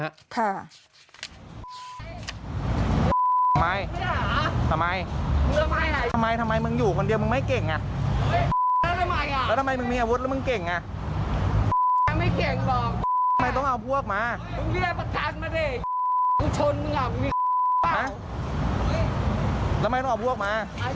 และต้องเอาพวกมา